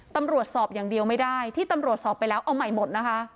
ตำรวจสอบอย่างเดียวไม่ได้ที่ตำรวจสอบไปแล้วเอาใหม่หมดนะคะ